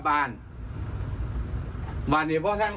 อยากสั่งสอนมันอะไรลักษณะนี้